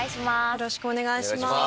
よろしくお願いします。